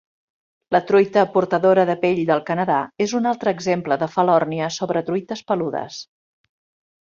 La truita portadora de pell del Canadà és un altre exemple de falòrnia sobre truites peludes.